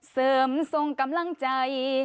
เสริมทรงกำลังใจ